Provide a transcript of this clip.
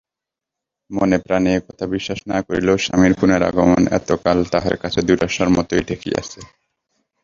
মনে-প্রাণে একথা বিশ্বাস না করিলেও স্বামীর পুনরাগমন এতকাল তাহার কাছে দুরাশার মতই ঠেকিয়াছে।